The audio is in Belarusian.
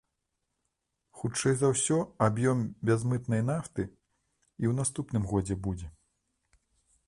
Хутчэй за ўсё, аб'ём бязмытнай нафты і ў наступным годзе будзе.